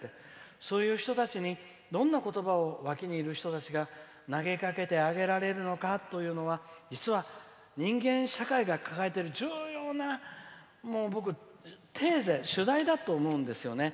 そういう人たちに、どんな言葉を脇にいる人が投げかけてあげるのかというのは実は人間社会が抱えてる重要なテーゼ、主題だと思うんですよね。